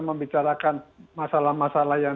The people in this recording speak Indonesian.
membicarakan masalah masalah yang